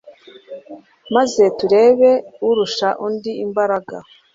maze turebe urusha undi imbaraga